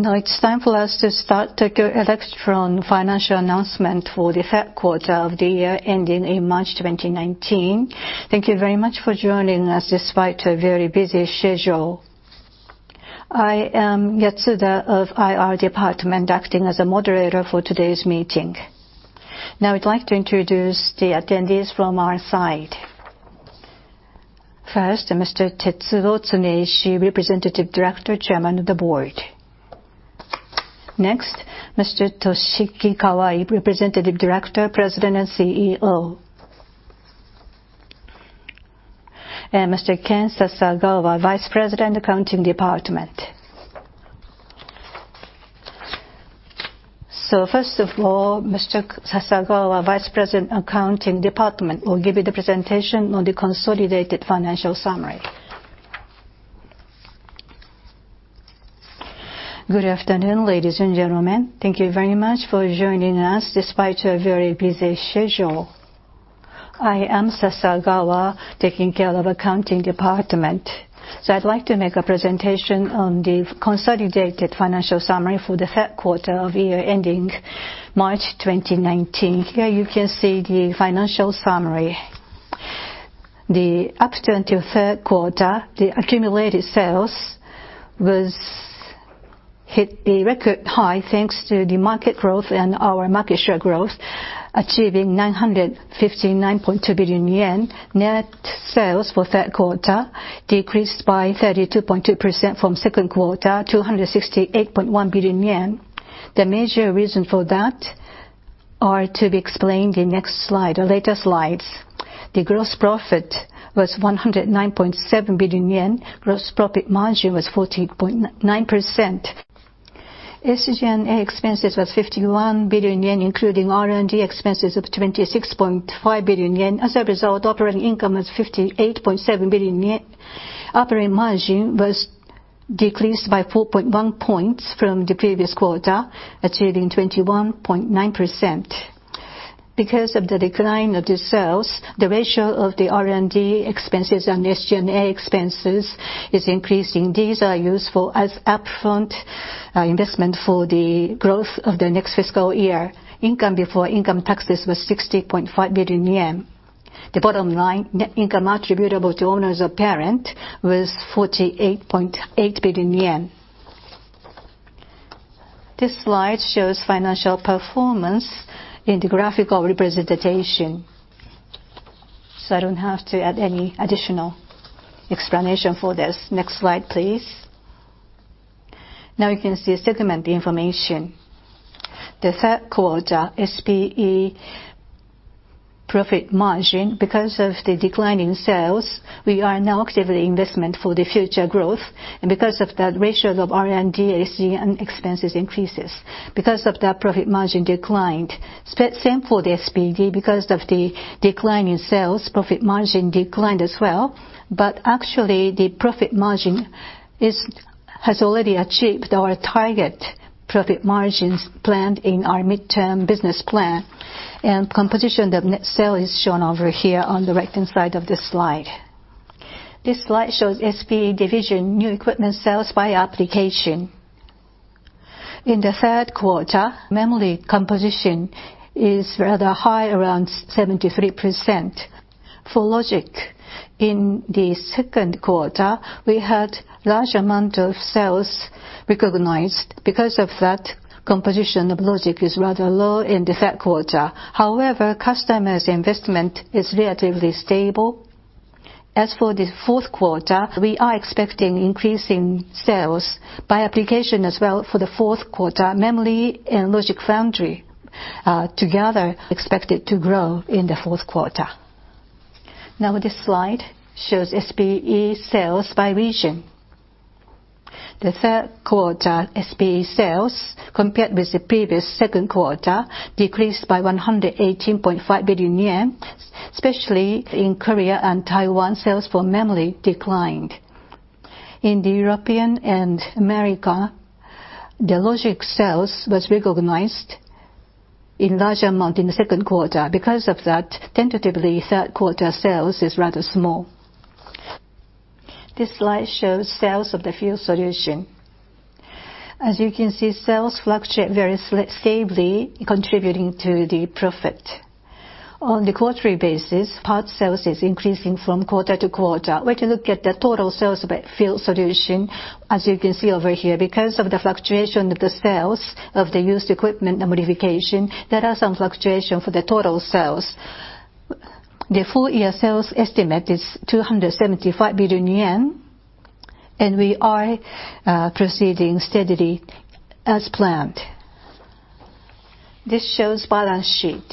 Now it's time for us to start Tokyo Electron financial announcement for the third quarter of the year ending in March 2019. Thank you very much for joining us despite your very busy schedule. I am Yatsuda of IR Department, acting as a moderator for today's meeting. I'd like to introduce the attendees from our side. First, Mr. Tetsuo Tsuneishi, Representative Director, Chairman of the Board. Next, Mr. Toshiki Kawai, Representative Director, President and CEO. Mr. Ken Sasagawa, Vice President, Accounting Department. First of all, Mr. Sasagawa, Vice President, Accounting Department, will give you the presentation on the consolidated financial summary. Good afternoon, ladies and gentlemen. Thank you very much for joining us despite your very busy schedule. I am Sasagawa, taking care of Accounting Department. I'd like to make a presentation on the consolidated financial summary for the third quarter of year ending March 2019. Here you can see the financial summary. Up until third quarter, the accumulated sales hit the record high, thanks to the market growth and our market share growth, achieving 959.2 billion yen. Net sales for third quarter decreased by 32.2% from second quarter, 268.1 billion yen. The major reason for that are to be explained in next slide or later slides. The gross profit was 109.7 billion yen. Gross profit margin was 14.9%. SG&A expenses was 51 billion yen, including R&D expenses of 26.5 billion yen. As a result, operating income was 58.7 billion yen. Operating margin was decreased by 4.1 points from the previous quarter, achieving 21.9%. Because of the decline of the sales, the ratio of the R&D expenses and SG&A expenses is increasing. These are used for as upfront investment for the growth of the next fiscal year. Income before income taxes was 60.5 billion yen. The bottom line, net income attributable to owners of parent, was 48.8 billion yen. This slide shows financial performance in the graphical representation. I don't have to add any additional explanation for this. Next slide, please. You can see segment information. The third quarter SPE profit margin, because of the decline in sales, we are now actively investment for the future growth. Because of that, ratios of R&D and SG&A expenses increases. Because of that, profit margin declined. Same for the SPE. Because of the decline in sales, profit margin declined as well. Actually, the profit margin has already achieved our target profit margins planned in our midterm business plan. Composition of net sale is shown over here on the right-hand side of the slide. This slide shows SPE division new equipment sales by application. In the third quarter, memory composition is rather high, around 73%. For logic, in the second quarter, we had large amount of sales recognized. Because of that, composition of logic is rather low in the third quarter. However, customers' investment is relatively stable. As for the fourth quarter, we are expecting increasing sales by application as well for the fourth quarter. Memory and logic foundry together expected to grow in the fourth quarter. This slide shows SPE sales by region. The third quarter SPE sales, compared with the previous second quarter, decreased by 118.5 billion yen, especially in Korea and Taiwan, sales for memory declined. In the European and America, the logic sales was recognized in large amount in the second quarter. Because of that, tentatively, third quarter sales is rather small. This slide shows sales of the field solution. As you can see, sales fluctuate very stably, contributing to the profit. On the quarterly basis, part sales is increasing from quarter to quarter. When you look at the total sales of field solution, as you can see over here, because of the fluctuation of the sales of the used equipment and modification, there are some fluctuation for the total sales. The full year sales estimate is JPY 275 billion, and we are proceeding steadily as planned. This shows balance sheet.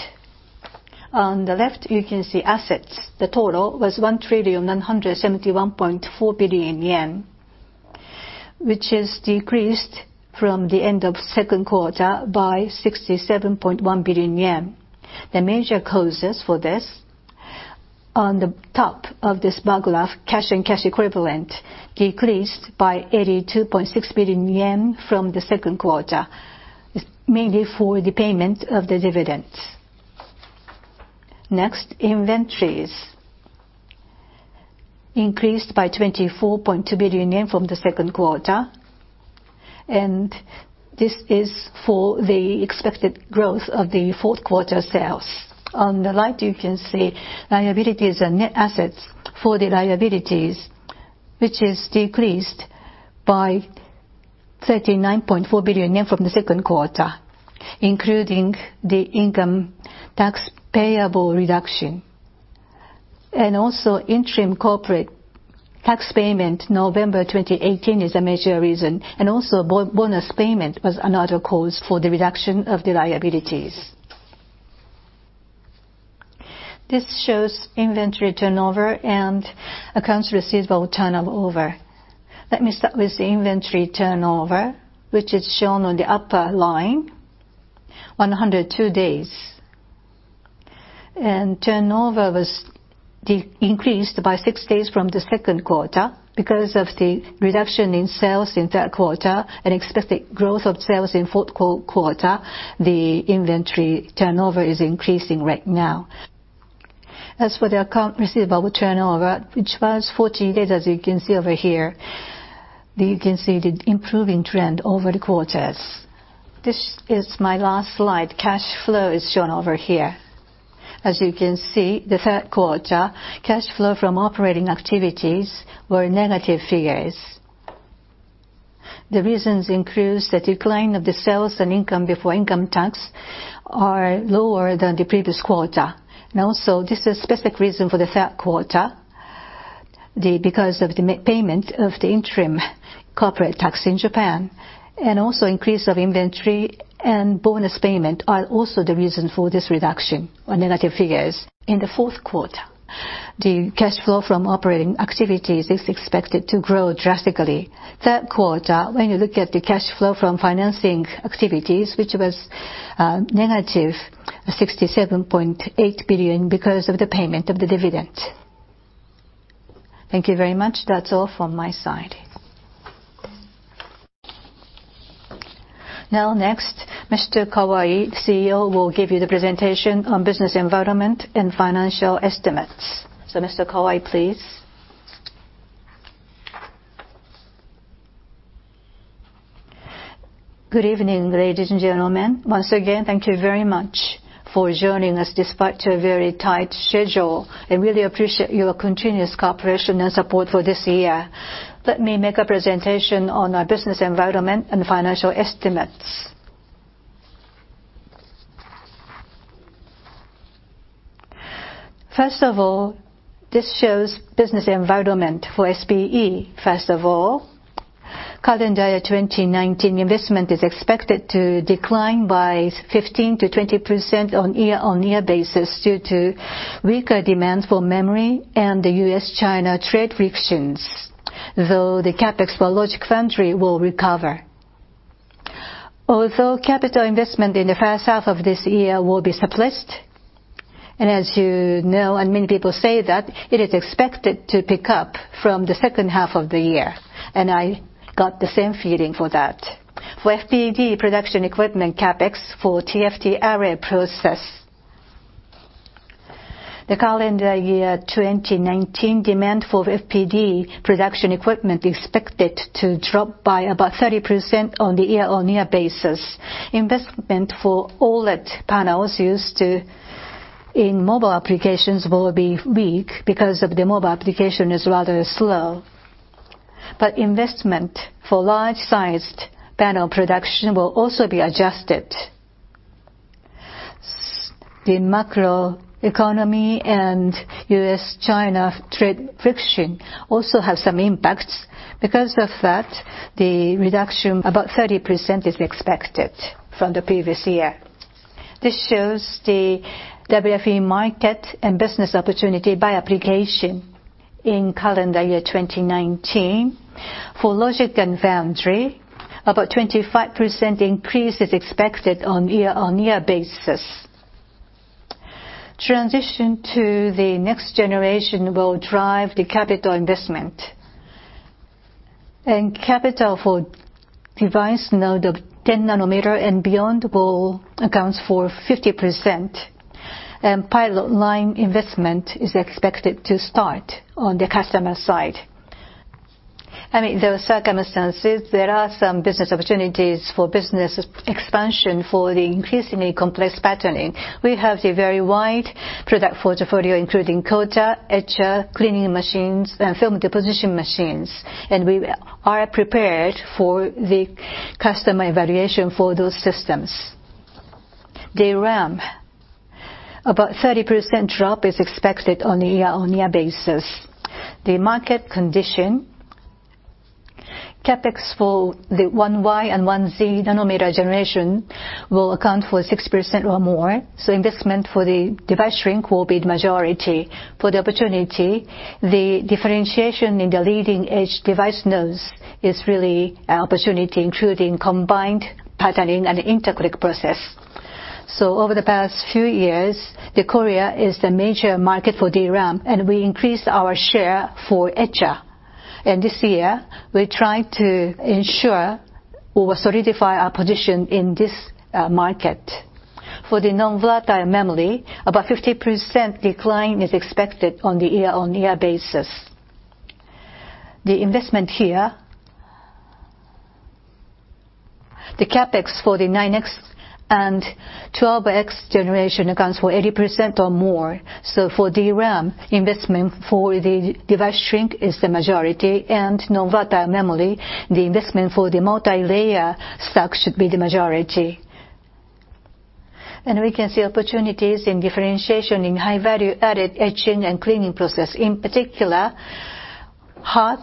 On the left, you can see assets. The total was 1,971.4 billion yen, which is decreased from the end of second quarter by 67.1 billion yen. The major causes for this, on the top of this bar graph, cash and cash equivalent decreased by 82.6 billion yen from the second quarter, mainly for the payment of the dividends. Next, inventories increased by 24.2 billion yen from the second quarter. This is for the expected growth of the fourth quarter sales. On the right, you can see liabilities and net assets for the liabilities, which is decreased by 39.4 billion yen from the second quarter, including the income tax payable reduction. Interim corporate tax payment, November 2018 is a major reason, and also bonus payment was another cause for the reduction of the liabilities. This shows inventory turnover and accounts receivable turnover. Let me start with the inventory turnover, which is shown on the upper line, 102 days. Turnover was increased by six days from the second quarter. Because of the reduction in sales in third quarter and expected growth of sales in fourth quarter, the inventory turnover is increasing right now. As for the accounts receivable turnover, which was 40 days, as you can see over here, you can see the improving trend over the quarters. This is my last slide. Cash flow is shown over here. As you can see, the third quarter, cash flow from operating activities were negative figures. The reasons includes the decline of the sales and income before income tax are lower than the previous quarter. This is specific reason for the third quarter. Because of the payment of the interim corporate tax in Japan, and also increase of inventory and bonus payment are also the reason for this reduction on negative figures. In the fourth quarter, the cash flow from operating activities is expected to grow drastically. Third quarter, when you look at the cash flow from financing activities, which was negative 67.8 billion because of the payment of the dividend. Thank you very much. That's all from my side. Next, Mr. Kawai, CEO, will give you the presentation on business environment and financial estimates. Mr. Kawai, please. Good evening, ladies and gentlemen. Once again, thank you very much for joining us despite your very tight schedule. I really appreciate your continuous cooperation and support for this year. Let me make a presentation on our business environment and financial estimates. First of all, this shows business environment for SPE. First of all, calendar year 2019 investment is expected to decline by 15%-20% on a year-on-year basis due to weaker demand for memory and the U.S.-China trade frictions, though the CapEx for logic foundry will recover. Although capital investment in the first half of this year will be suppressed, as you know, many people say that it is expected to pick up from the second half of the year, I got the same feeling for that. For FPD production equipment CapEx for TFT array process, the calendar year 2019 demand for FPD production equipment expected to drop by about 30% on the year-on-year basis. Investment for OLED panels used in mobile applications will be weak because of the mobile application is rather slow. Investment for large-sized panel production will also be adjusted. The macroeconomy and U.S.-China trade friction also have some impacts. The reduction, about 30%, is expected from the previous year. This shows the WFE market and business opportunity by application in calendar year 2019. For logic and foundry, about 25% increase is expected on year-on-year basis. Transition to the next generation will drive the capital investment. Capital for device node of 10 nanometer and beyond will account for 50%, pilot line investment is expected to start on the customer side. Under those circumstances, there are some business opportunities for business expansion for the increasingly complex patterning. We have the very wide product portfolio, including coater, etcher, cleaning machines, and film deposition machines, and we are prepared for the customer evaluation for those systems. DRAM, about 30% drop is expected on a year-on-year basis. The market condition, CapEx for the 1Y and 1Z nanometer generation will account for 6% or more. Investment for the device shrink will be the majority. For the opportunity, the differentiation in the leading edge device nodes is really our opportunity, including combined patterning and interconnect process. Over the past few years, Korea is the major market for DRAM, we increased our share for etcher. This year, we're trying to ensure or solidify our position in this market. For the non-volatile memory, about 50% decline is expected on the year-on-year basis. The investment here, the CapEx for the 9X and 12X generation accounts for 80% or more. For DRAM, investment for the device shrink is the majority, non-volatile memory, the investment for the multilayer stack should be the majority. We can see opportunities in differentiation in high value added etching and cleaning process. In particular, HARP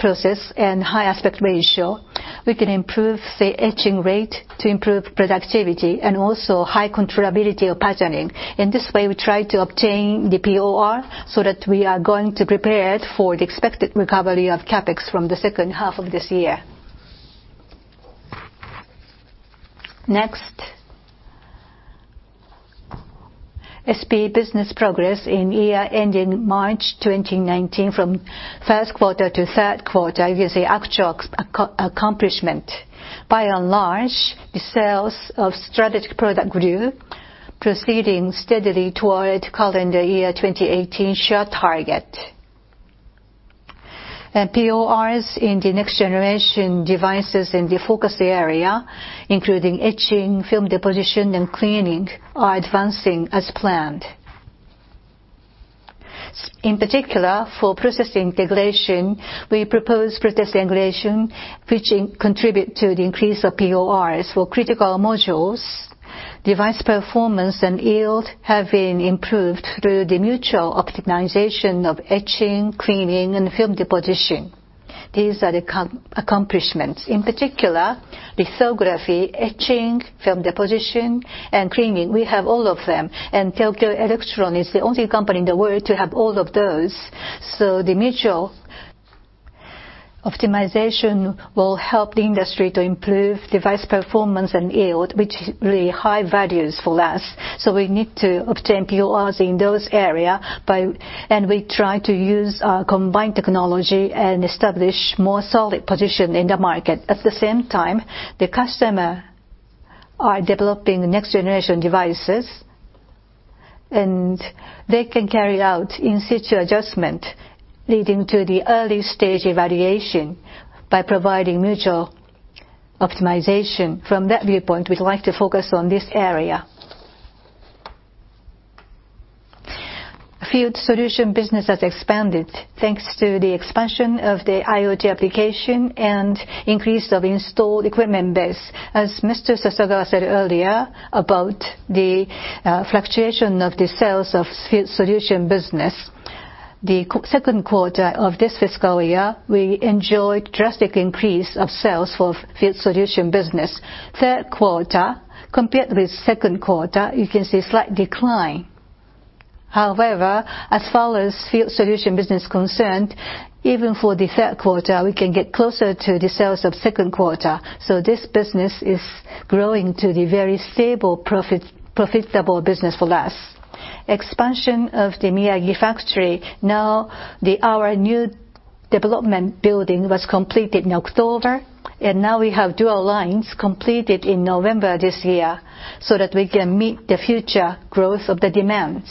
process and high aspect ratio, we can improve the etching rate to improve productivity, also high controllability of patterning. In this way, we try to obtain the POR so that we are going to prepare it for the expected recovery of CapEx from the second half of this year. Next. SPE business progress in year ending March 2019, from first quarter to third quarter, you can see actual accomplishment. By and large, the sales of strategic product group proceeding steadily toward calendar year 2018 share target. PORs in the next generation devices in the focus area, including etching, film deposition, and cleaning, are advancing as planned. In particular, for process integration, we propose process integration, which contribute to the increase of PORs. For critical modules, device performance and yield have been improved through the mutual optimization of etching, cleaning, and film deposition. These are the accomplishments. In particular, lithography, etching, film deposition, and cleaning, we have all of them. Tokyo Electron is the only company in the world to have all of those. The mutual optimization will help the industry to improve device performance and yield, which is really high values for us. We need to obtain PORs in those area, and we try to use our combined technology and establish more solid position in the market. At the same time, the customer are developing next generation devices. They can carry out in-situ adjustment, leading to the early stage evaluation by providing mutual optimization. From that viewpoint, we'd like to focus on this area. Field solution business has expanded thanks to the expansion of the IoT application and increase of installed equipment base. As Mr. Sasagawa said earlier about the fluctuation of the sales of field solution business, the second quarter of this fiscal year, we enjoyed drastic increase of sales for field solution business. Third quarter compared with second quarter, you can see slight decline. However, as far as field solution business concerned, even for the third quarter, we can get closer to the sales of second quarter. This business is growing to the very stable, profitable business for us. Expansion of the Miyagi Factory. Our new development building was completed in October. We have dual lines completed in November this year, so that we can meet the future growth of the demands.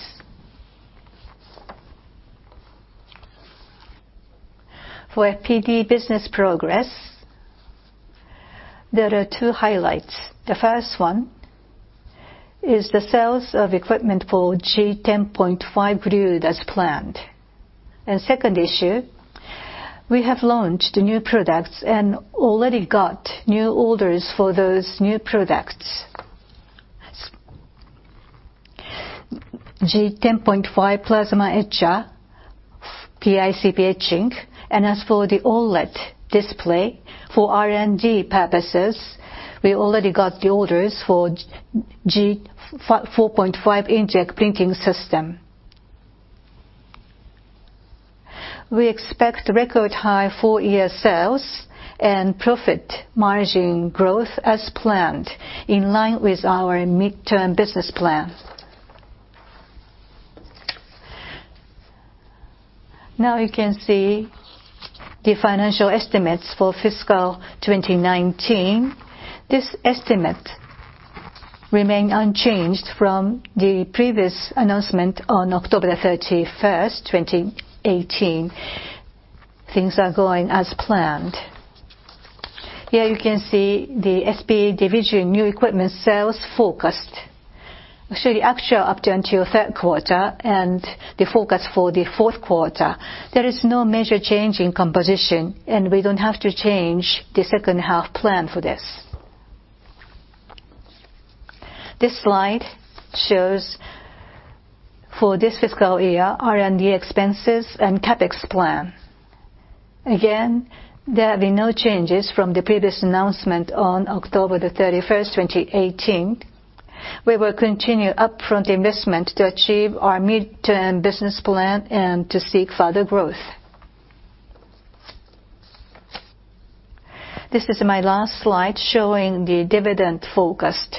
For FPD Business progress, there are two highlights. The first one is the sales of equipment for G10.5 grew as planned. Second issue, we have launched new products and already got new orders for those new products. G10.5 plasma etcher, PICP etching. As for the OLED display, for R&D purposes, we already got the orders for G4.5 inkjet printing system. We expect record high full year sales and profit margin growth as planned, in line with our midterm business plan. You can see the financial estimates for fiscal 2019. This estimate remain unchanged from the previous announcement on October 31st, 2018. Things are going as planned. Here you can see the SPE division new equipment sales forecast. Show the actual up until third quarter and the forecast for the fourth quarter. There is no major change in composition. We don't have to change the second half plan for this. This slide shows for this fiscal year, R&D expenses and CapEx plan. There have been no changes from the previous announcement on October 31st, 2018. We will continue upfront investment to achieve our midterm business plan and to seek further growth. This is my last slide showing the dividend forecast.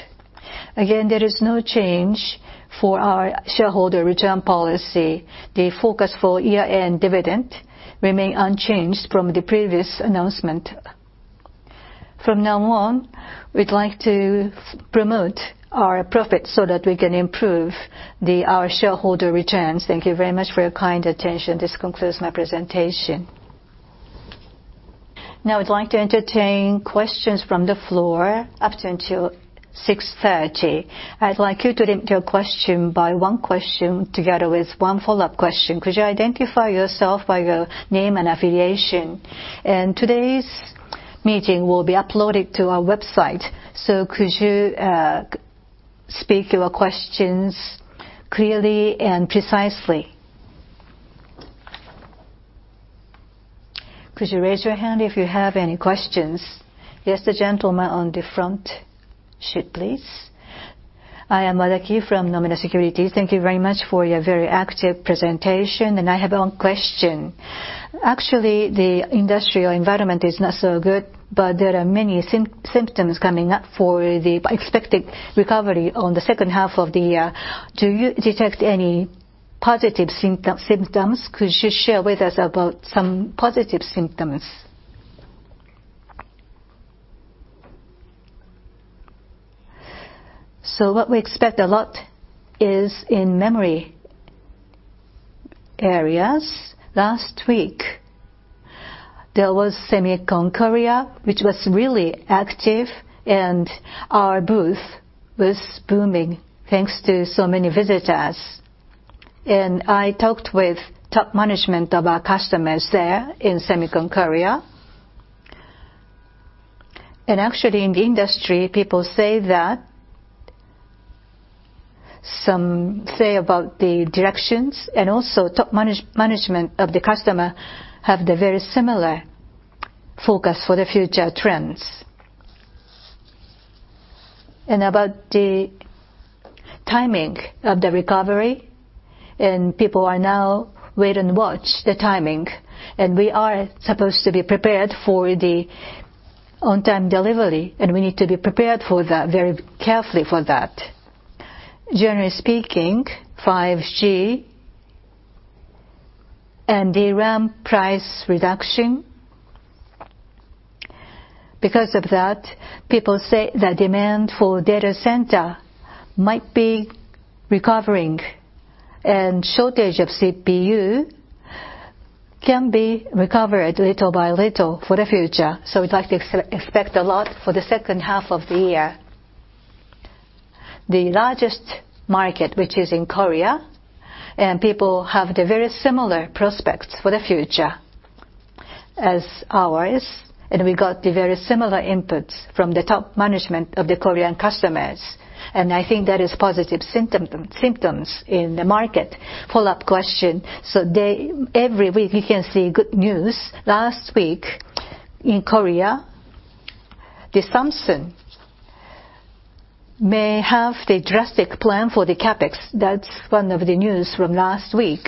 Again, there is no change for our shareholder return policy. The forecast for year-end dividend remain unchanged from the previous announcement. From now on, we'd like to promote our profit so that we can improve our shareholder returns. Thank you very much for your kind attention. This concludes my presentation. I'd like to entertain questions from the floor up until 6:30 P.M. I'd like you to limit your question by one question together with one follow-up question. Could you identify yourself by your name and affiliation? Today's meeting will be uploaded to our website, so could you speak your questions clearly and precisely? Could you raise your hand if you have any questions? Yes, the gentleman on the front. Shoot, please. I am Wadaki from Nomura Securities. Thank you very much for your very active presentation. I have one question. Actually, the industrial environment is not so good, but there are many symptoms coming up for the expected recovery on the second half of the year. Do you detect any positive symptoms? Could you share with us about some positive symptoms? What we expect a lot is in memory areas. Last week, there was SEMICON Korea, which was really active, and our booth was booming thanks to so many visitors. I talked with top management of our customers there in SEMICON Korea. Actually, in the industry, people say that some say about the directions. Also, top management of the customer have the very similar focus for the future trends. About the timing of the recovery, people are now wait and watch the timing. We are supposed to be prepared for the on-time delivery. We need to be prepared for that very carefully for that. Generally speaking, 5G and DRAM price reduction. Because of that, people say the demand for data center might be recovering. Shortage of CPU can be recovered little by little for the future. We'd like to expect a lot for the second half of the year. The largest market, which is in Korea. People have the very similar prospects for the future as ours. We got the very similar inputs from the top management of the Korean customers. I think that is positive symptoms in the market. Follow-up question. Every week we can see good news. Last week in Korea, Samsung may have the drastic plan for the CapEx. That is one of the news from last week.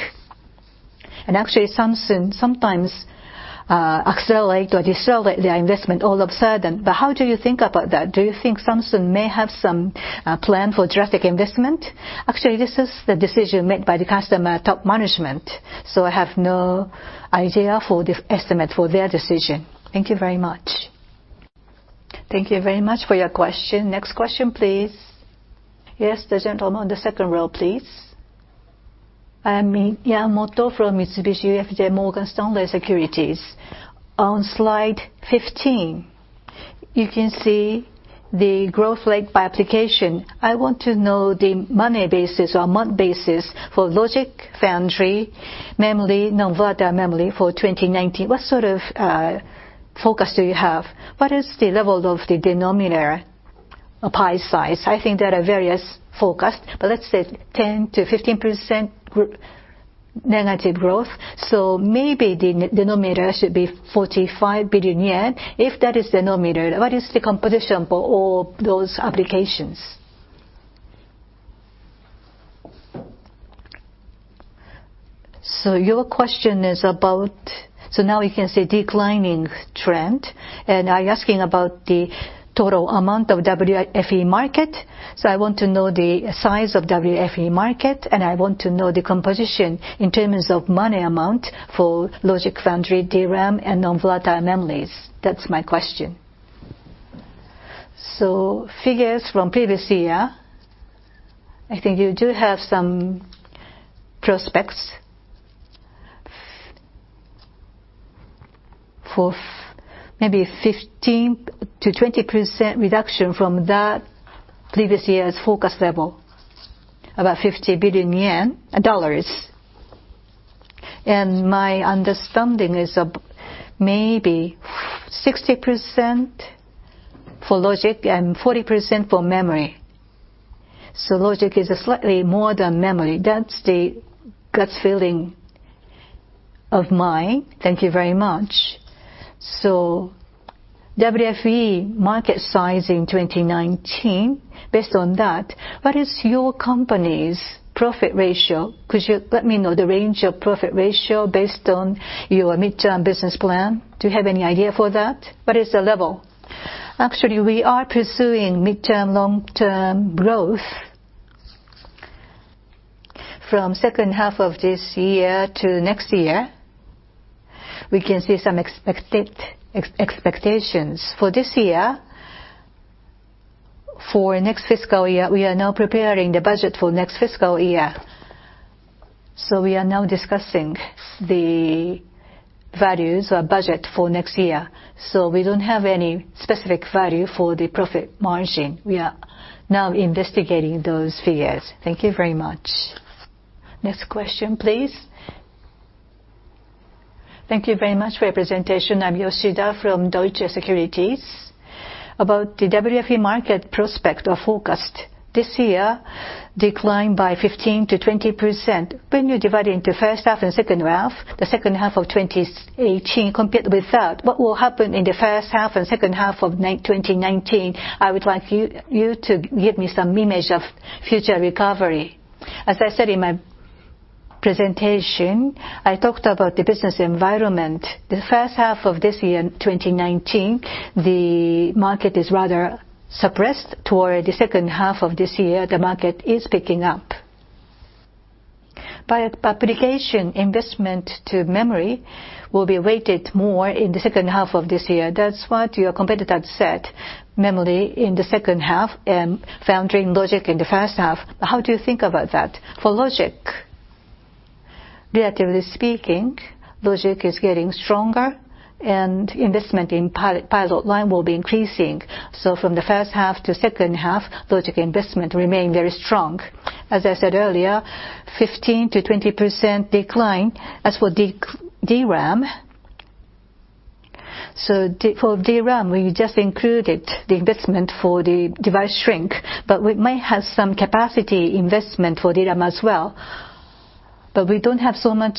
Actually, Samsung sometimes accelerate or decelerate their investment all of sudden. How do you think about that? Do you think Samsung may have some plan for drastic investment? Actually, this is the decision made by the customer top management, so I have no idea for the estimate for their decision. Thank you very much. Thank you very much for your question. Next question, please. Yes, the gentleman on the second row, please. I am Miyamoto from Mitsubishi UFJ Morgan Stanley Securities. On slide 15, you can see the growth rate by application. I want to know the money basis or month basis for logic foundry, memory, non-volatile memory for 2019. What sort of forecast do you have? What is the level of the denominator of pie size? I think there are various forecasts, but let's say 10%-15% negative growth. Maybe the denominator should be 45 billion yen. If that is denominator, what is the composition for all those applications? Your question is about now we can say declining trend. Are you asking about the total amount of WFE market? I want to know the size of WFE market. I want to know the composition in terms of money amount for logic foundry, DRAM, and non-volatile memories. That is my question. Figures from previous year, I think you do have some prospects for maybe 15%-20% reduction from that previous year's focus level, about $50 billion. My understanding is maybe 60% for logic and 40% for memory. Logic is slightly more than memory. That's the gut feeling of mine. Thank you very much. WFE market size in 2019, based on that, what is your company's profit ratio? Could you let me know the range of profit ratio based on your midterm business plan? Do you have any idea for that? What is the level? Actually, we are pursuing midterm long-term growth. From second half of this year to next year, we can see some expectations. For this year, for next fiscal year, we are now preparing the budget for next fiscal year. We are now discussing the values or budget for next year. We don't have any specific value for the profit margin. We are now investigating those figures. Thank you very much. Next question, please. Thank you very much for your presentation. I'm Yoshida from Deutsche Securities. About the WFE market prospect or forecast this year declined by 15%-20%. When you divide into first half and second half, the second half of 2018 compared with that, what will happen in the first half and second half of 2019? I would like you to give me some image of future recovery. As I said in my presentation, I talked about the business environment. The first half of this year, 2019, the market is rather suppressed toward the second half of this year, the market is picking up. By publication, investment to memory will be weighted more in the second half of this year. That's what your competitor said, memory in the second half and foundry logic in the first half. How do you think about that? For logic, relatively speaking, logic is getting stronger and investment in pilot line will be increasing. From the first half to second half, logic investment remain very strong. As I said earlier, 15%-20% decline. As for DRAM, for DRAM, we just included the investment for the device shrink, but we may have some capacity investment for DRAM as well. We don't have so much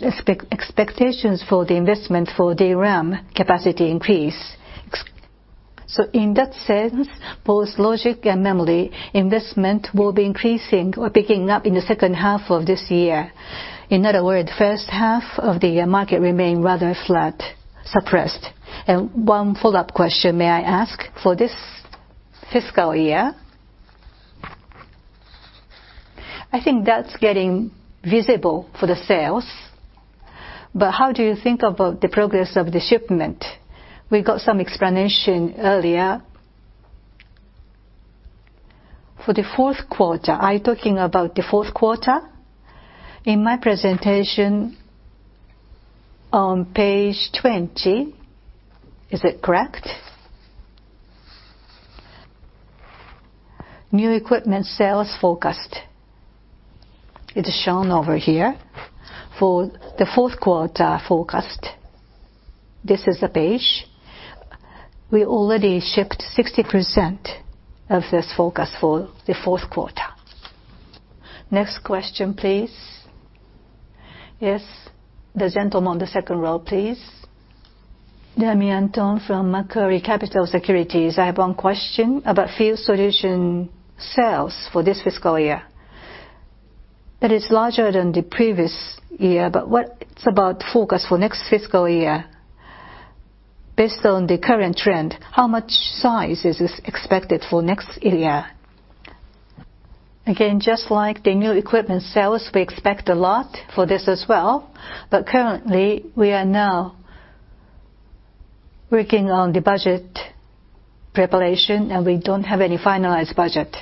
expectations for the investment for DRAM capacity increase. In that sense, both logic and memory investment will be increasing or picking up in the second half of this year. In other words, first half of the year, market remain rather flat, suppressed. One follow-up question may I ask, for this fiscal year? I think that's getting visible for the sales. How do you think about the progress of the shipment? We got some explanation earlier. For the fourth quarter. Are you talking about the fourth quarter? In my presentation on page 20. Is it correct? New equipment sales forecast. It is shown over here for the fourth quarter forecast. This is the page. We already shipped 60% of this forecast for the fourth quarter. Next question, please. Yes, the gentleman on the second row, please. Damian Thong from Macquarie Capital Securities. I have one question about field solution sales for this fiscal year. That is larger than the previous year, what it's about forecast for next fiscal year? Based on the current trend, how much size is this expected for next year? Again, just like the new equipment sales, we expect a lot for this as well. Currently, we are now working on the budget preparation, and we don't have any finalized budget.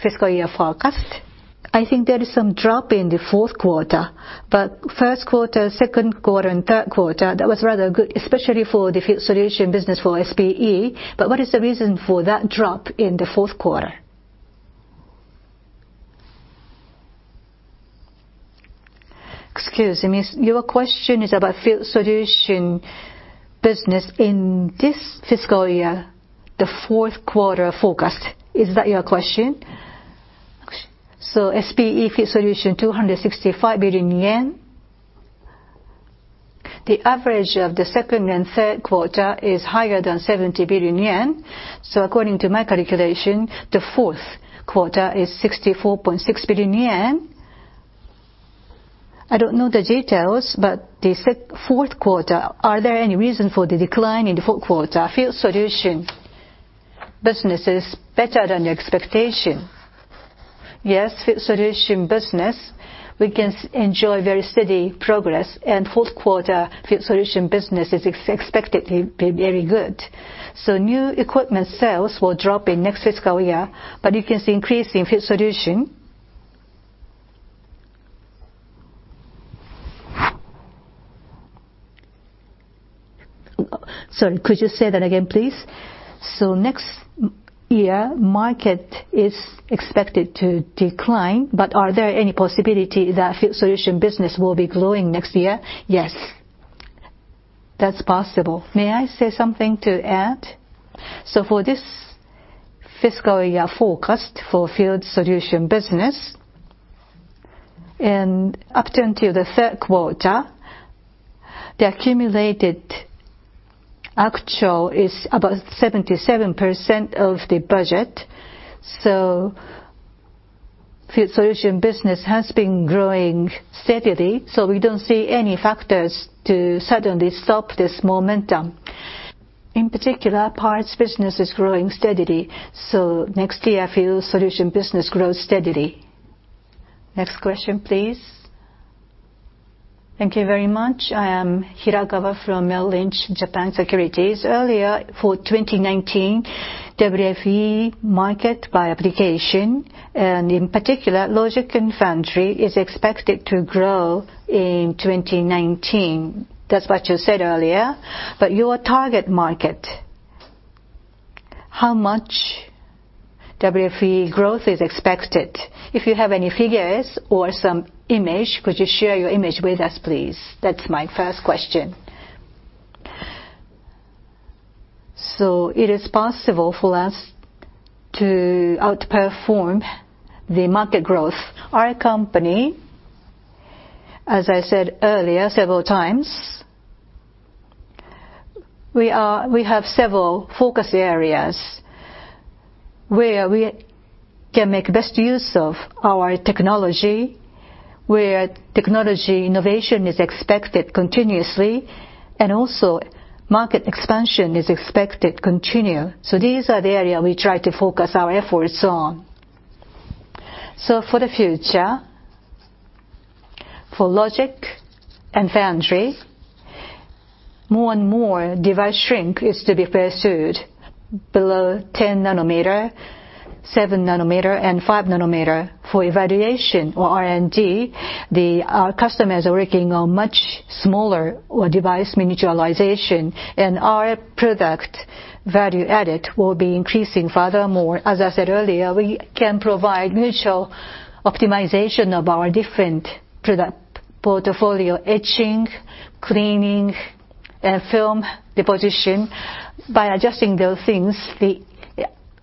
Fiscal year forecast, I think there is some drop in the fourth quarter. First quarter, second quarter, and third quarter, that was rather good, especially for the field solution business for SPE. What is the reason for that drop in the fourth quarter? Excuse me. Your question is about field solution business in this fiscal year, the fourth quarter forecast. Is that your question? Yes. SPE field solution, 265 billion yen. The average of the second and third quarter is higher than 70 billion yen. According to my calculation, the fourth quarter is 64.6 billion yen. I don't know the details, but the fourth quarter, are there any reason for the decline in the fourth quarter? Field solution business is better than the expectation. Yes, field solution business, we can enjoy very steady progress, and fourth quarter field solution business is expected to be very good. New equipment sales will drop in next fiscal year, but you can see increase in field solution. Sorry, could you say that again, please? Next year, market is expected to decline, but are there any possibility that field solution business will be growing next year? Yes. That's possible. May I say something to add? For this fiscal year forecast for field solution business, and up until the third quarter, the accumulated actual is about 77% of the budget. Field solution business has been growing steadily, so we don't see any factors to suddenly stop this momentum. In particular, parts business is growing steadily, so next year I feel solution business grows steadily. Next question, please. Thank you very much. I am Hirakawa from Merrill Lynch Japan Securities. Earlier for 2019, WFE market by application, and in particular, logic and foundry is expected to grow in 2019. That's what you said earlier. Your target market, how much WFE growth is expected? If you have any figures or some image, could you share your image with us, please? That's my first question. It is possible for us to outperform the market growth. Our company, as I said earlier several times, we have several focus areas where we can make best use of our technology, where technology innovation is expected continuously, and also market expansion is expected continue. These are the area we try to focus our efforts on. For the future, for logic and foundry, more and more device shrink is to be pursued below 10 nanometer, seven nanometer, and five nanometer. For evaluation or R&D, the customers are working on much smaller device miniaturization, and our product value add will be increasing furthermore. As I said earlier, we can provide mutual optimization of our different product portfolio, etching, cleaning, and film deposition. By adjusting those things, the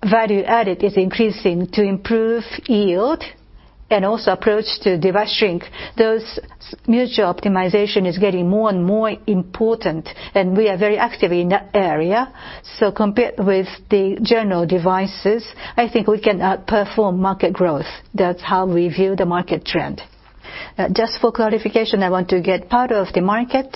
value add is increasing to improve yield and also approach to device shrink. Those mutual optimization is getting more and more important, and we are very active in that area. Compared with the general devices, I think we can outperform market growth. That's how we view the market trend. Just for clarification, I want to get part of the market,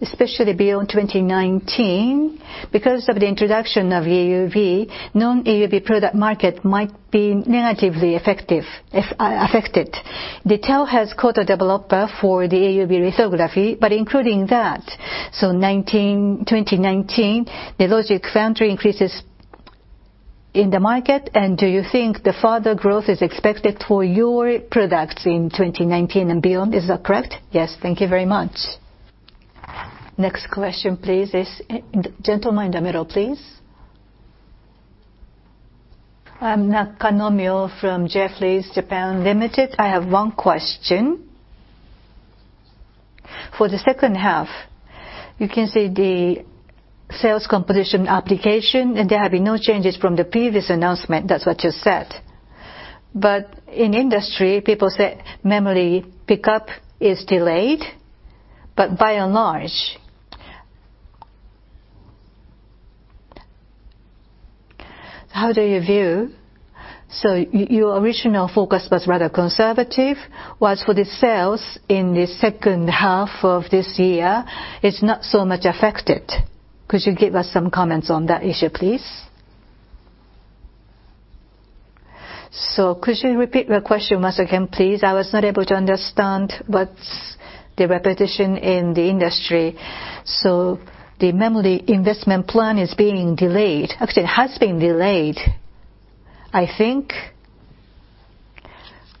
especially beyond 2019. Because of the introduction of EUV, non-EUV product market might be negatively affected. TEL has coater developer for the EUV lithography. Including that, 2019, the logic foundry increases in the market. Do you think the further growth is expected for your products in 2019 and beyond? Is that correct? Yes. Thank you very much. Next question, please, is the gentleman in the middle, please. I'm Nakanomyo from Jefferies Japan Limited. I have one question. For the second half, you can see the sales composition application. There have been no changes from the previous announcement. That's what you said. In industry, people say memory pickup is delayed, but by and large, how do you view? Your original focus was rather conservative, whilst for the sales in the second half of this year, it's not so much affected. Could you give us some comments on that issue, please? Could you repeat the question once again, please? I was not able to understand what's the repetition in the industry. The memory investment plan is being delayed. Actually, it has been delayed, I think.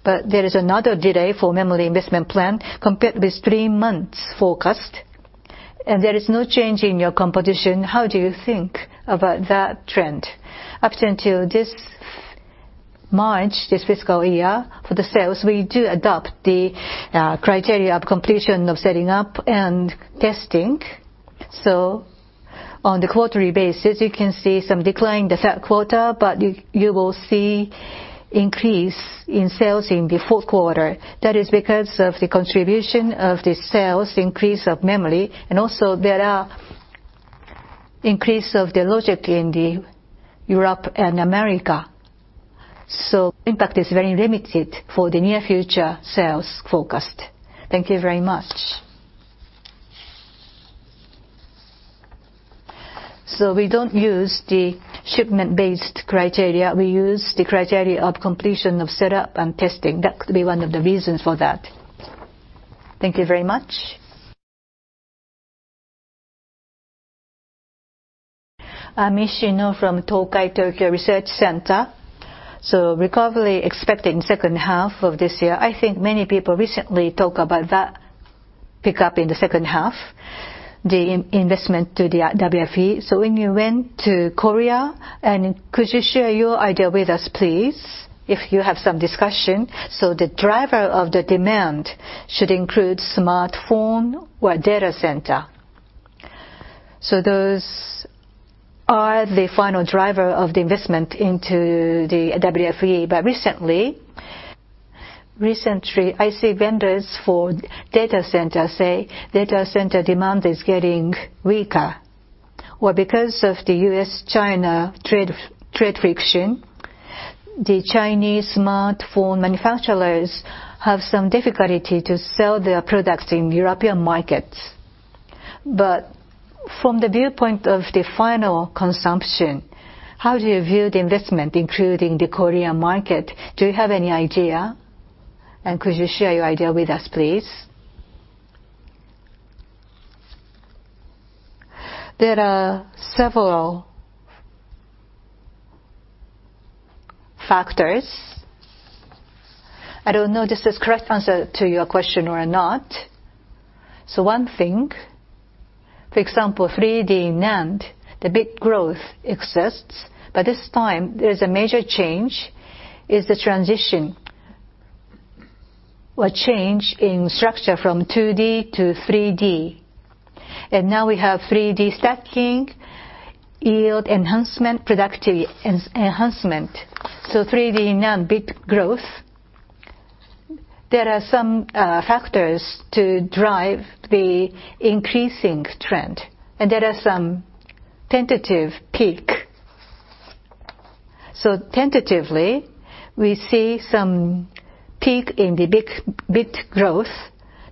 There is another delay for memory investment plan compared with three months forecast. There is no change in your composition. How do you think about that trend? Up until this March, this fiscal year, for the sales, we do adopt the criteria of completion of setting up and testing. On the quarterly basis, you can see some decline in the third quarter, but you will see increase in sales in the fourth quarter. That is because of the contribution of the sales increase of memory. Also there are increase of the logic in the Europe and America. Impact is very limited for the near future sales forecast. Thank you very much. We don't use the shipment-based criteria. We use the criteria of completion of setup and testing. That could be one of the reasons for that. Thank you very much. I'm Ishino from Tokai Tokyo Research Center. Recovery expected in second half of this year. I think many people recently talk about that pickup in the second half, the investment to the WFE. When you went to Korea, could you share your idea with us, please, if you have some discussion? The driver of the demand should include smartphone or data center. Those are the final driver of the investment into the WFE. Recently, I see vendors for data center say data center demand is getting weaker. Well, because of the U.S.-China trade friction, the Chinese smartphone manufacturers have some difficulty to sell their products in European markets. From the viewpoint of the final consumption, how do you view the investment, including the Korean market? Do you have any idea? Could you share your idea with us, please? There are several factors. I don't know this is correct answer to your question or not. One thing, for example, 3D NAND, the bit growth exists, but this time, there is a major change, is the transition or change in structure from 2D to 3D. Now we have 3D stacking, yield enhancement, productivity enhancement. 3D NAND bit growth. There are some factors to drive the increasing trend. There are some tentative peak. Tentatively, we see some peak in the bit growth.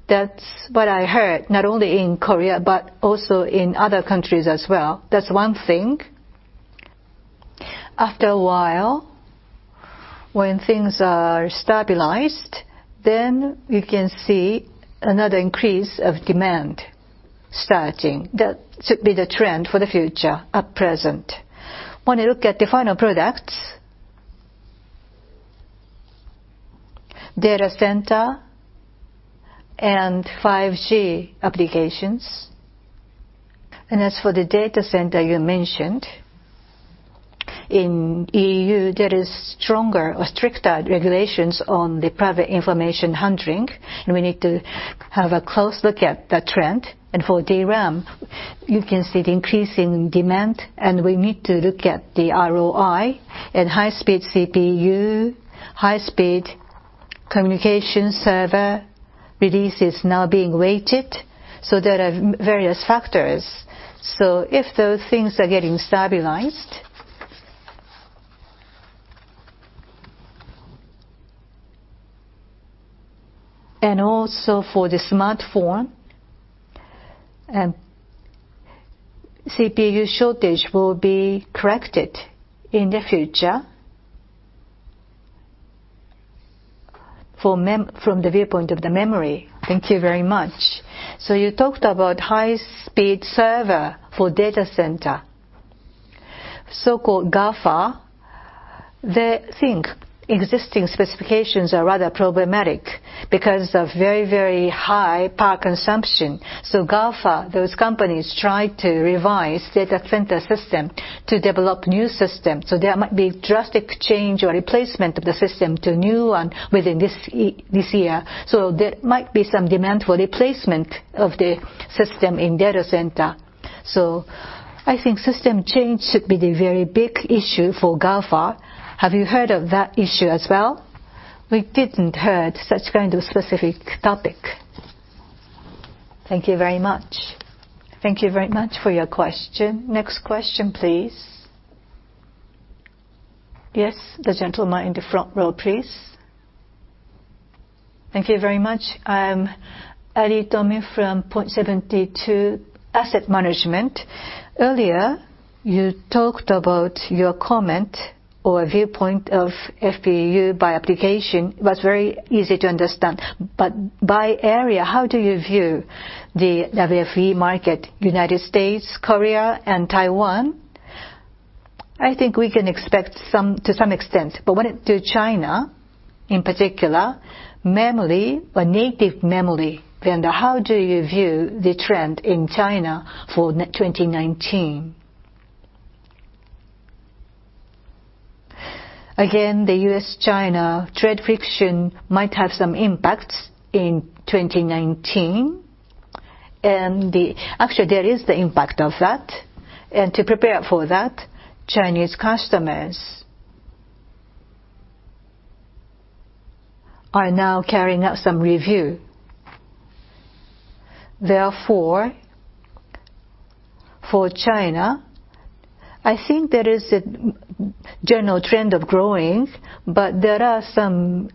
That's what I heard, not only in Korea but also in other countries as well. That's one thing. After a while, when things are stabilized, we can see another increase of demand starting. That should be the trend for the future, at present. When you look at the final products, data center and 5G applications. As for the data center you mentioned, in the E.U., there is stronger or stricter regulations on the private information handling, and we need to have a close look at the trend. For DRAM, you can see the increase in demand, and we need to look at the ROI. In high speed CPU, high speed communication server release is now being Waited. There are various factors. If those things are getting stabilized, and also for the smartphone, CPU shortage will be corrected in the future from the viewpoint of the memory. Thank you very much. You talked about high speed server for data center. So-called GAFA. They think existing specifications are rather problematic because of very high power consumption. GAFA, those companies, try to revise data center system to develop new system. There might be drastic change or replacement of the system to new one within this year. There might be some demand for replacement of the system in data center. I think system change should be the very big issue for GAFA. Have you heard of that issue as well? We didn't heard such kind of specific topic. Thank you very much. Thank you very much for your question. Next question, please. Yes, the gentleman in the front row, please. Thank you very much. I'm Ari Tommy from Point72 Asset Management. Earlier, you talked about your comment or viewpoint of FPD by application. It was very easy to understand. By area, how do you view the WFE market, U.S., Korea, and Taiwan? I think we can expect to some extent. When it to China, in particular, memory or native memory vendor, how do you view the trend in China for 2019? Again, the U.S., China trade friction might have some impacts in 2019. Actually, there is the impact of that. To prepare for that, Chinese customers are now carrying out some review. Therefore, for China, I think there is a general trend of growing, but there are some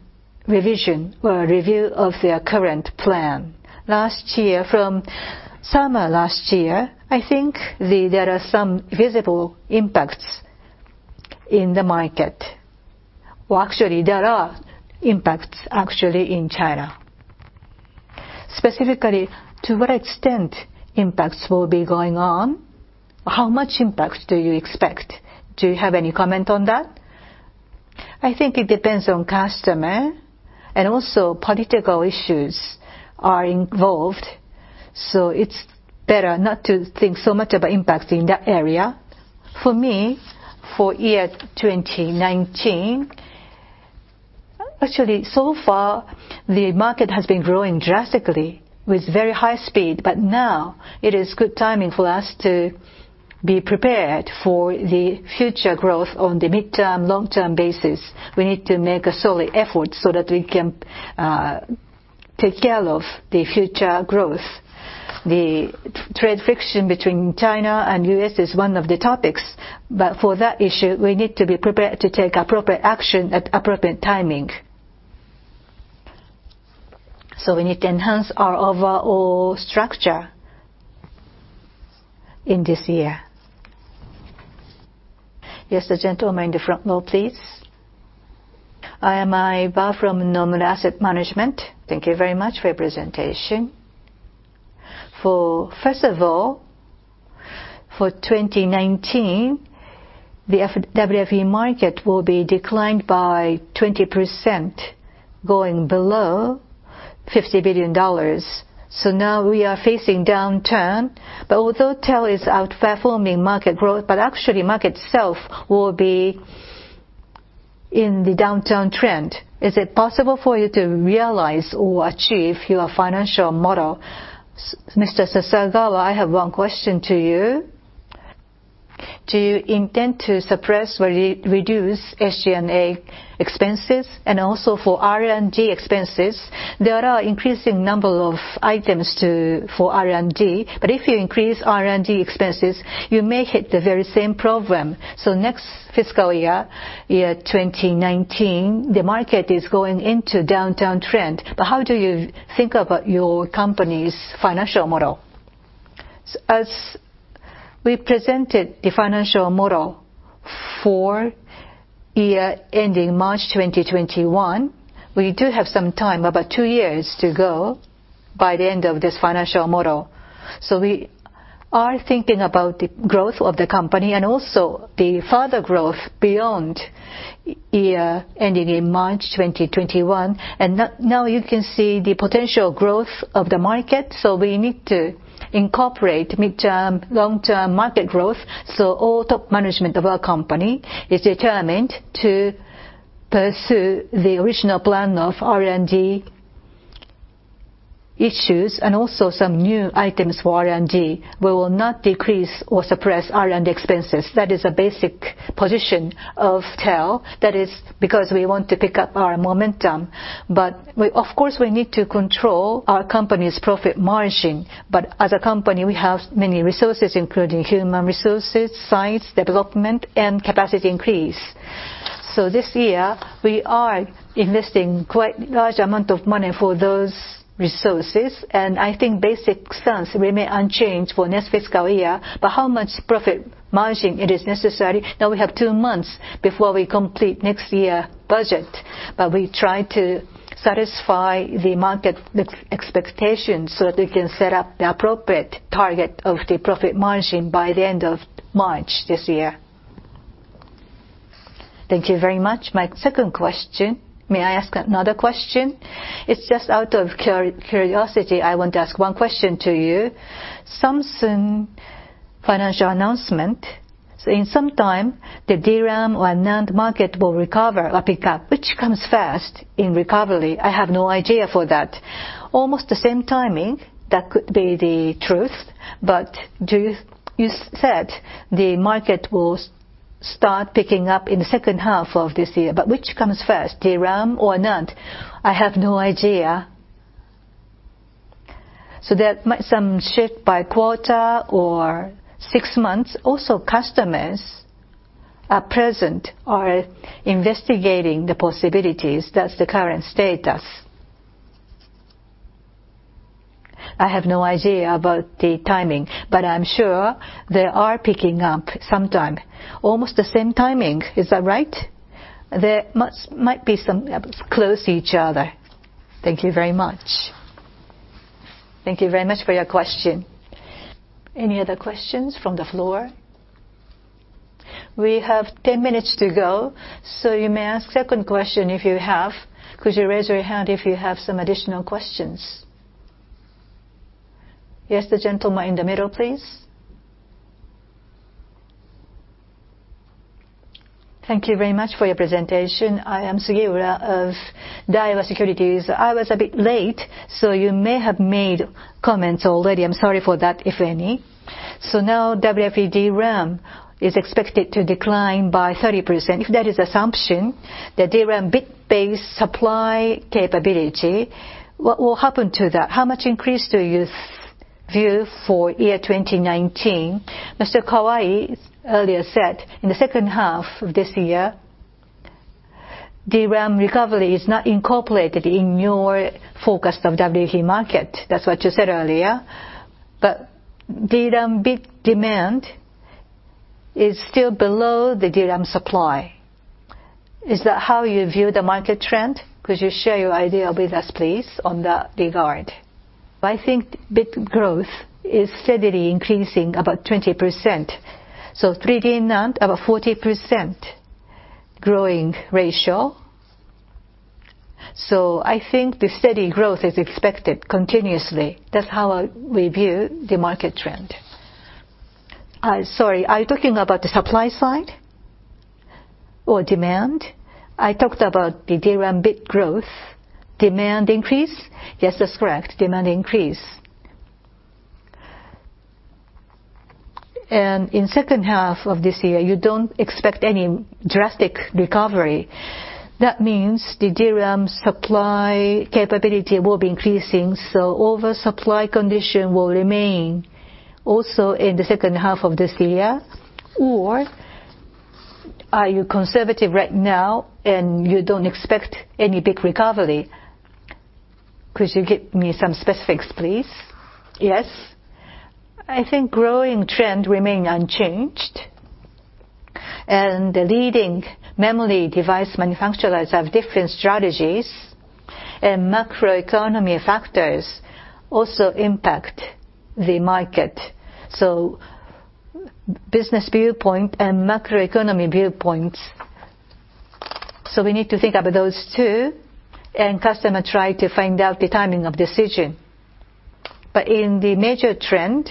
revision or review of their current plan. Last year, from summer last year, I think there are some visible impacts in the market. Well, actually, there are impacts actually in China. Specifically, to what extent impacts will be going on? How much impact do you expect? Do you have any comment on that? I think it depends on customer, and also political issues are involved. It's better not to think so much about impact in that area. For me, for year 2019, actually, so far, the market has been growing drastically with very high speed. Now it is good timing for us to be prepared for the future growth on the midterm, long-term basis. We need to make a solid effort so that we can take care of the future growth. The trade friction between China and U.S. is one of the topics, but for that issue, we need to be prepared to take appropriate action at appropriate timing. We need to enhance our overall structure in this year. Yes, the gentleman in the front row, please. I am Aiba from Nomura Asset Management. Thank you very much for your presentation. For 2019, the WFE market will be declined by 20% going below $50 billion. Now we are facing downturn. Although TEL is outperforming market growth, actually market itself will be in the downturn trend. Is it possible for you to realize or achieve your financial model? Sasagawa, I have one question to you. Do you intend to suppress or reduce SG&A expenses? Also for R&D expenses, there are increasing number of items for R&D, but if you increase R&D expenses, you may hit the very same problem. Next fiscal year, 2019, the market is going into downturn trend. How do you think about your company's financial model? As we presented the financial model for year ending March 2021, we do have some time, about 2 years to go, by the end of this financial model. We are thinking about the growth of the company and also the further growth beyond year ending in March 2021. Now you can see the potential growth of the market, we need to incorporate midterm, long-term market growth. All top management of our company is determined to pursue the original plan of R&D issues and also some new items for R&D. We will not decrease or suppress R&D expenses. That is a basic position of TEL. That is because we want to pick up our momentum. Of course, we need to control our company's profit margin. As a company, we have many resources, including human resources, sites, development, and capacity increase. This year, we are investing quite large amount of money for those resources, and I think basic stance remain unchanged for next fiscal year. How much profit margin it is necessary? Now we have 2 months before we complete next year budget, but we try to satisfy the market expectations so that we can set up the appropriate target of the profit margin by the end of March this year. Thank you very much. My second question. May I ask another question? It is just out of curiosity, I want to ask one question to you. Samsung financial announcement, in some time the DRAM or NAND market will recover or pick up. Which comes first in recovery? I have no idea for that. Almost the same timing, that could be the truth, but you said the market will start picking up in the second half of this year. Which comes first, DRAM or NAND? I have no idea. That might some shift by quarter or 6 months. Also, customers at present are investigating the possibilities. That is the current status. I have no idea about the timing, I am sure they are picking up sometime. Almost the same timing, is that right? There might be some close to each other. Thank you very much. Thank you very much for your question. Any other questions from the floor? We have 10 minutes to go, you may ask second question if you have. Could you raise your hand if you have some additional questions? Yes, the gentleman in the middle, please. Thank you very much for your presentation. I am Sugiura of Daiwa Securities. I was a bit late, you may have made comments already. I am sorry for that, if any. Now WFE DRAM is expected to decline by 30%. If that is assumption, the DRAM bit base supply capability, what will happen to that? How much increase do you view for year 2019? Mr. Kawai earlier said in the second half of this year, DRAM recovery is not incorporated in your forecast of WFE market. That's what you said earlier. DRAM bit demand is still below the DRAM supply. Is that how you view the market trend? Could you share your idea with us, please, on that regard? I think bit growth is steadily increasing about 20%. 3D NAND, about 40% growing ratio. I think the steady growth is expected continuously. That's how we view the market trend. Sorry, are you talking about the supply side or demand? I talked about the DRAM bit growth. Demand increase? Yes, that's correct. Demand increase. In second half of this year, you don't expect any drastic recovery. That means the DRAM supply capability will be increasing, so oversupply condition will remain also in the second half of this year. Are you conservative right now and you don't expect any big recovery? Could you get me some specifics, please? Yes. I think growing trend remains unchanged. The leading memory device manufacturers have different strategies, and macroeconomy factors also impact the market. Business viewpoint and macroeconomy viewpoints, we need to think about those two, and customer try to find out the timing of decision. In the major trend,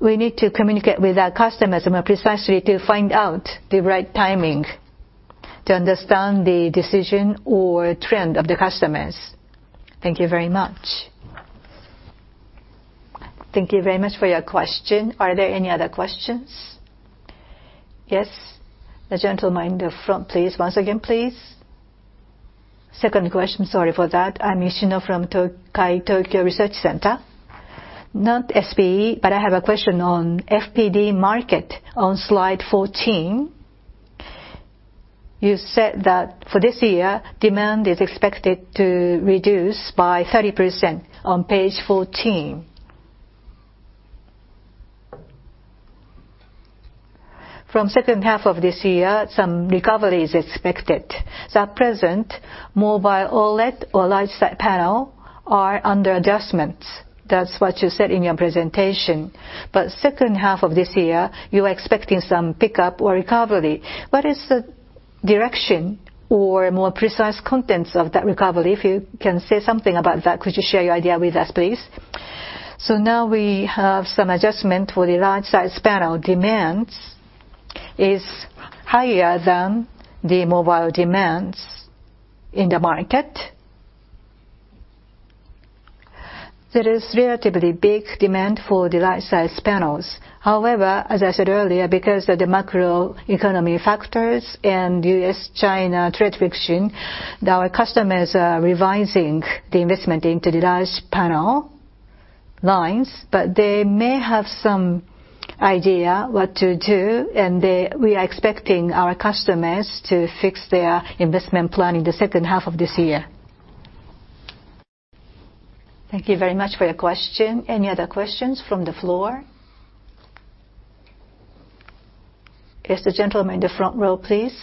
we need to communicate with our customers more precisely to find out the right timing, to understand the decision or trend of the customers. Thank you very much. Thank you very much for your question. Are there any other questions? Yes. The gentleman in the front, please. Once again, please. Second question, sorry for that. I'm Ishino from Tokai Tokyo Research Center. Not SPE, I have a question on FPD market. On slide 14, you said that for this year, demand is expected to reduce by 30% on page 14. From second half of this year, some recovery is expected. At present, mobile OLED or large size panel are under adjustments. That's what you said in your presentation. Second half of this year, you are expecting some pickup or recovery. What is the direction or more precise contents of that recovery? If you can say something about that, could you share your idea with us, please? Now we have some adjustment for the large size panel demands is higher than the mobile demands in the market. There is relatively big demand for the large size panels. However, as I said earlier, because of the macroeconomy factors and U.S.-China trade friction, our customers are revising the investment into the large panel lines. They may have some idea what to do, and we are expecting our customers to fix their investment plan in the second half of this year. Thank you very much for your question. Any other questions from the floor? Yes, the gentleman in the front row, please.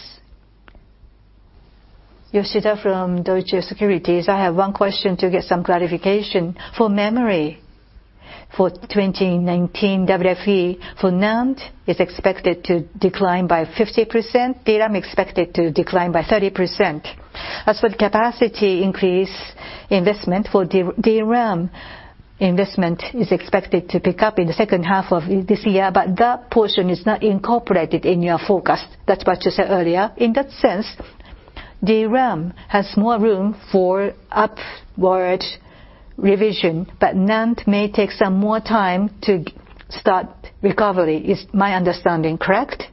Yoshida from Deutsche Securities. I have one question to get some clarification. For memory, for 2019, WFE for NAND is expected to decline by 50%, DRAM expected to decline by 30%. As for the capacity increase investment for DRAM, investment is expected to pick up in the second half of this year, that portion is not incorporated in your forecast. That's what you said earlier. In that sense, DRAM has more room for upward revision, NAND may take some more time to start recovery. Is my understanding correct?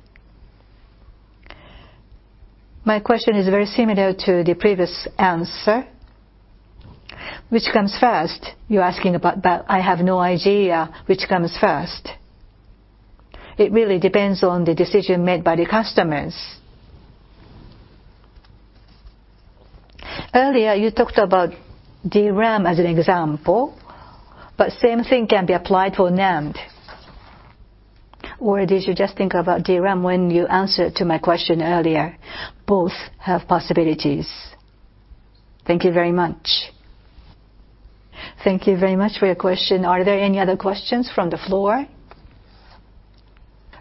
My question is very similar to the previous answer. Which comes first? You're asking about that. I have no idea which comes first. It really depends on the decision made by the customers. Earlier, you talked about DRAM as an example, but same thing can be applied for NAND. Did you just think about DRAM when you answered to my question earlier? Both have possibilities. Thank you very much. Thank you very much for your question. Are there any other questions from the floor?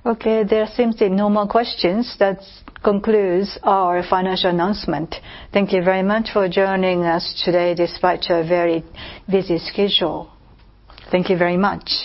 Okay, there seems to be no more questions. That concludes our financial announcement. Thank you very much for joining us today despite your very busy schedule. Thank you very much.